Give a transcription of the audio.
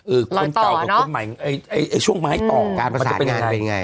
รอยต่อกับคนใหม่ช่วงไม้ต่อการประสาทงานมันจะเป็นยังไง